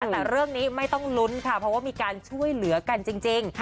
แต่เรื่องนี้ไม่ต้องลุ้นค่ะเพราะว่ามีการช่วยเหลือกันจริง